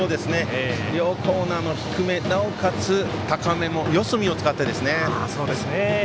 両コーナーの低めなおかつ高めも四隅を使って。